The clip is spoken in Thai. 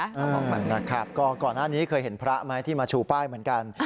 นะครับก็ก่อนหน้านี้เคยเห็นพระไหมที่มาชูป้ายเหมือนกัน